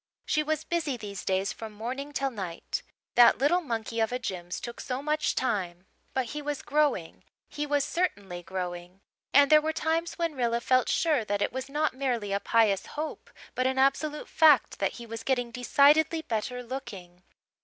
She was busy these days from morning till night. That little monkey of a Jims took so much time. But he was growing he was certainly growing. And there were times when Rilla felt sure that it was not merely a pious hope but an absolute fact that he was getting decidedly better looking.